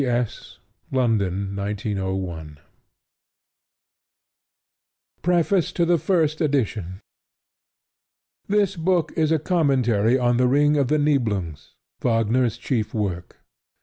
G. B. S. London, 1901 Preface to the First Edition This book is a commentary on The Ring of the Niblungs, Wagner's chief work.